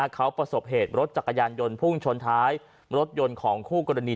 เขาประสบเหตุรถจักรยานยนต์พุ่งชนท้ายรถยนต์ของคู่กรณี